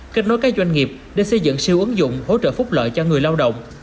kết nối các doanh nghiệp để xây dựng siêu ứng dụng hỗ trợ phúc lợi cho người lao động